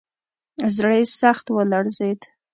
زړه یې سخت ولړزېد.